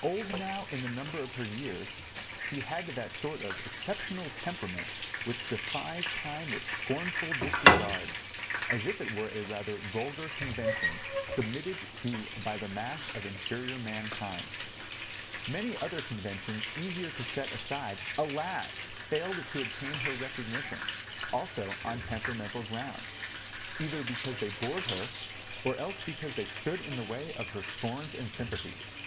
Old now in the number of her years, she had that sort of exceptional temperament which defies time with scornful disregard, as if it were a rather vulgar convention submitted to by the mass of inferior mankind. Many other conventions easier to set aside, alas! failed to obtain her recognition, also on temperamental grounds—either because they bored her, or else because they stood in the way of her scorns and sympathies.